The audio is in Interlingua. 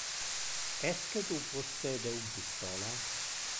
Esque tu possede un pistola?